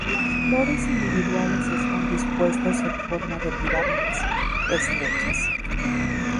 Las flores individuales están dispuestos en forma de pirámides estrechas.